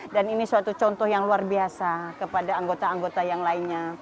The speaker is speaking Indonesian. dan ini suatu contoh yang luar biasa kepada anggota anggota yang lainnya